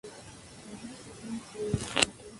Buddhist Monkey tanto en las que ha sobrevivido.